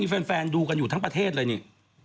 แฟนดูกันอยู่ทั้งประเทศเลยนี่